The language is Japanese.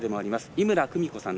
井村久美子さん。